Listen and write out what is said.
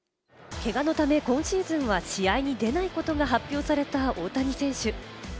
けがのため今シーズンは試合に出ないことが発表された大谷選手。